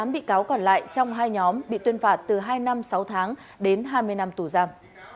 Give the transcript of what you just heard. tám bị cáo còn lại trong hai nhóm bị tuyên phạt từ hai năm sáu tháng đến hai mươi năm tù giam